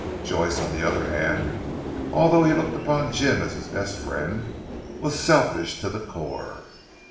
Joyce on the other hand, although he looked upon Jim as his best friend, was selfish to the core.